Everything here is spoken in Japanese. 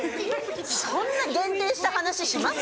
そんな限定した話します？